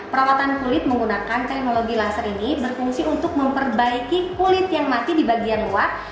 perawatan kulit menggunakan teknologi laser ini berfungsi untuk memperbaiki kulit yang mati di bagian luar